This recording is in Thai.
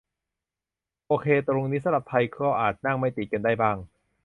โอเค ตรงนี้สำหรับไทยก็อาจนั่งไม่ติดกันได้บ้าง